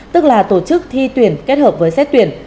tức là tổ chức thi tuyển kết hợp với xét tuyển